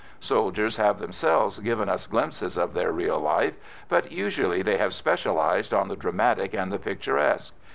Soldiers have themselves given us glimpses of their real life, but usually they have specialised on the dramatic and the picturesque.